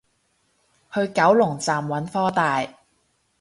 去九龍站揾科大